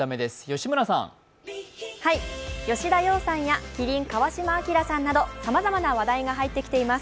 吉田羊さんや麒麟・川島明さんなどさまざまな話題が入ってきています。